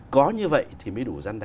có như vậy thì mới đủ gian đe